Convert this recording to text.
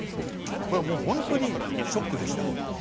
これもう本当にショックでした。